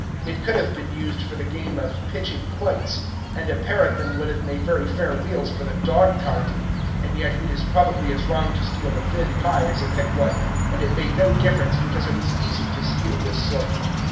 It could have been used for the game of pitching quoits, and a pair of them would have made very fair wheels for the dog cart. And yet it is probably as wrong to steal a thin pie as a thick one; and it made no difference because it was easy to steal this sort.